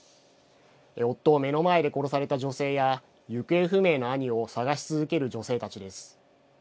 夫を目の前で殺された女性や行方不明の兄を捜し続ける女性たちです。